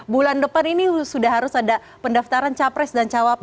bulan depan ini sudah harus ada pendaftaran capres dan cawapres